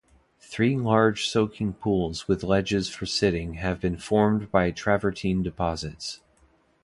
Three large soaking pools with ledges for sitting have been formed by travertine deposits.